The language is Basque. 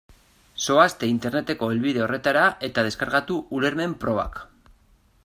Zoazte Interneteko helbide horretara eta deskargatu ulermen-probak.